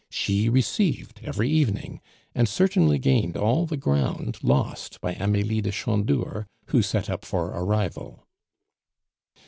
She received every evening, and certainly gained all the ground lost by Amelie de Chandour, who set up for a rival.